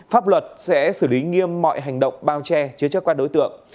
pháp luật sẽ xử lý nghiêm mọi hành động bao che chứa chất quan đối tượng